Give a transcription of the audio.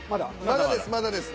まだですまだです。